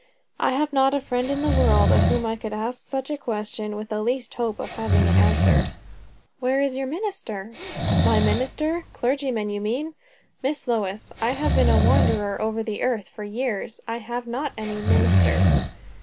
"I have not a friend in the world, of whom I could ask such a question with the least hope of having it answered." "Where is your minister?" "My minister? Clergyman, you mean? Miss Lois, I have been a wanderer over the earth for years. I have not any 'minister.'"